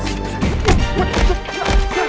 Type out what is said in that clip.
jika kau tahu siapa dia